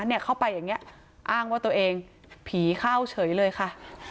เนี่ยเข้าไปอย่างนี้อ้างว่าตัวเองผีเข้าเฉยเลยค่ะ